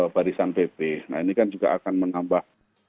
barisan pp nah ini kan juga akan menambah